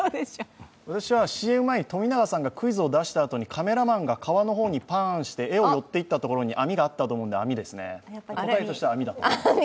私はＣＭ前に富永さんがクイズを出したあとにカメラマンが川の方にパンして画を寄っていったところに網があったと思うので、答えとしては網ですね。